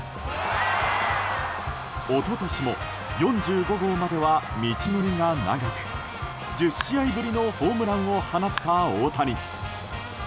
一昨年も４５号までは道のりが長く１０試合ぶりのホームランを放った大谷。